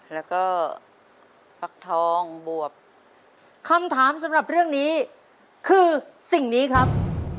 แล้วก็ฟักทองบวบคำถามสำหรับเรื่องนี้คือสิ่งนี้ครับ